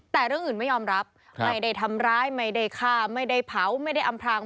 แต่เรื่องอื่นไม่ยอมรับไม่ได้ทำร้ายไม่ได้ฆ่าไม่ได้เผาไม่ได้อำพราง